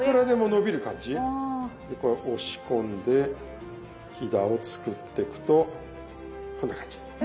これ押し込んでひだを作ってくとこんな感じ。